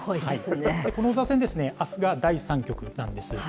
この王座戦ですね、あすが第３局なんです。